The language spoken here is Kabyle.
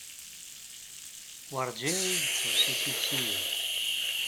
Werǧin i yi-d-tusi tikti-ya.